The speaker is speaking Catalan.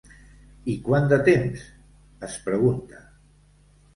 I quant de temps?, es pregunta.